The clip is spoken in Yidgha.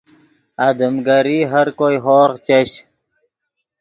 آدم گری ہر کوئے ہورغ چش